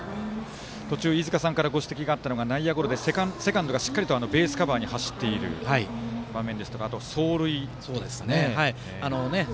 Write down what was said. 途中、飯塚さんからご指摘があったのが内野ゴロでセカンドがしっかりベースカバーに走っている場面ですとか走塁ですね。